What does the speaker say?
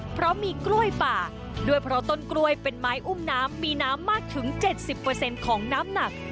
เพราะมีกล้วยป่าด้วยเพราะต้นกล้วยเป็นไม้อุ้มน้ำมีน้ำมากถึง๗๐ของน้ำหนัก